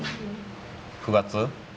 ９月？